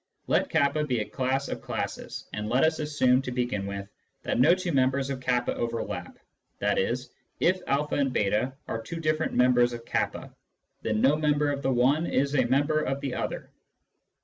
Let k be a class of classes, and let us assume to begin with that no two members of k overlap, i.e. that if a and ]8 are two different members of k, then no member of the one is a member of the other.